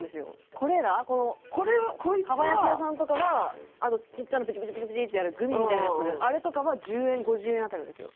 これらこの蒲焼さんとかはあとちっちゃなプチプチプチプチってやるグミみたいなやつあれとかは１０円５０円辺りなんですよ。